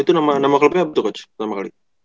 itu nama klubnya apa tuh coach